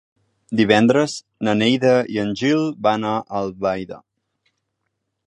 Divendres na Neida i en Gil van a Albaida.